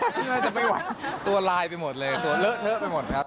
โอ้ในนั้นเขาจะไม่ไหวตัวลายไปหมดเลยตัวเลอะเฉอะไปหมดครับ